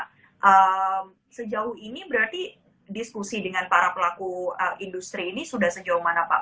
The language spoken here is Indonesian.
nah sejauh ini berarti diskusi dengan para pelaku industri ini sudah sejauh mana pak